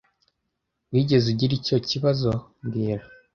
Wigeze ugira icyo kibazo mbwira